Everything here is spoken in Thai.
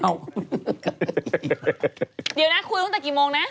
เดี๋ยวนะคุยตั้งแต่กี่โมงนะ